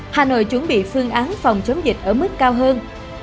hà nội chuẩn bị phương án phòng chống dịch ở mức cao hơn